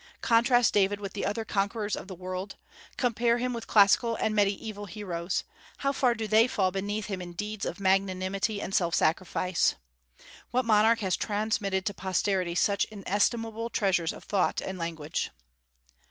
Contrast David with the other conquerors of the world; compare him with classical and mediaeval heroes, how far do they fall beneath him in deeds of magnanimity and self sacrifice! What monarch has transmitted to posterity such inestimable treasures of thought and language?